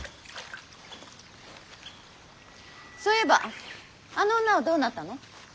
そういえばあの女はどうなったの。